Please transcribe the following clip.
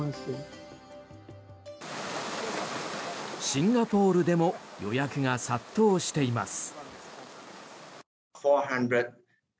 シンガポールでも予約が殺到しています。